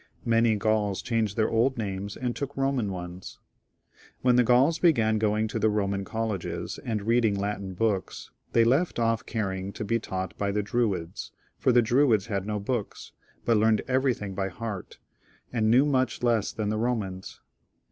Many Gauls changed their old names and took Boman ones. , When the Gauls b^an going , to the Eoman colleges, and reading Latin booksi they left off caring to be taught by the Druids, for the Druids had no books, but learned everything by heart, and knew much less than the Eomans.